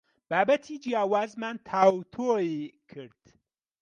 بابەتی جیاوازمان تاوتوێ کرد.